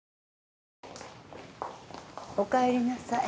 おかえりなさい。